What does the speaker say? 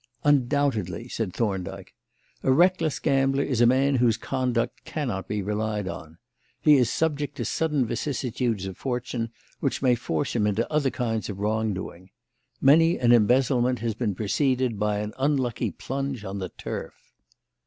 "Undoubtedly," said Thorndyke. "A reckless gambler is a man whose conduct cannot be relied on. He is subject to sudden vicissitudes of fortune which may force him into other kinds of wrongdoing. Many an embezzlement has been preceded by an unlucky plunge on the turf."